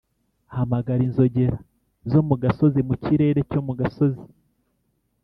hamagara, inzogera zo mu gasozi, mu kirere cyo mu gasozi,